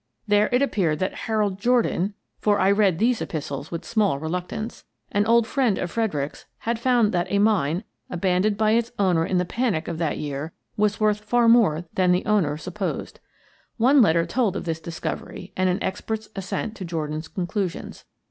There it appeared that Harold I Am Very Nearly Killed 93 Jordan (for I read these epistles with small re luctance), an old friend of Fredericks, had found that a mine, abandoned by its owner in the panic of that year, was worth far more than the owner supposed. One letter told of this discovery and an expert's assent to Jordan's conclusions.